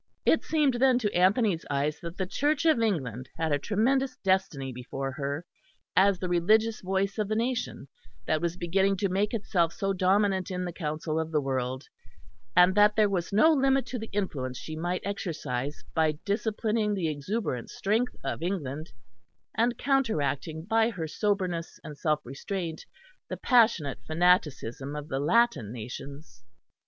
It seemed then to Anthony's eyes that the Church of England had a tremendous destiny before her, as the religious voice of the nation that was beginning to make itself so dominant in the council of the world, and that there was no limit to the influence she might exercise by disciplining the exuberant strength of England, and counteracting by her soberness and self restraint the passionate fanaticism of the Latin nations.